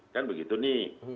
kan begitu nih